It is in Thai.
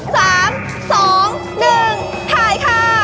๓๒๑ถ่ายค่ะ